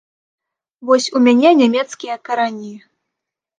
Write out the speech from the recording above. Вось у мяне нямецкія карані.